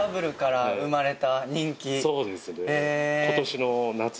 そうですね。